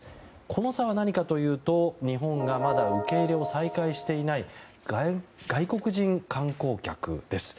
この差は何かというと、日本がまだ受け入れを再開していない外国人観光客です。